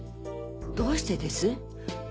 どうしてです？